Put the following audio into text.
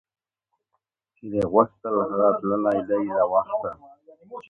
چي دي غوښتل هغه تللي دي له وخته